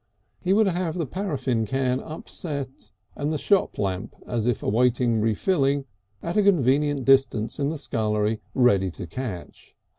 He would have the paraffine can upset and the shop lamp, as if awaiting refilling, at a convenient distance in the scullery ready to catch.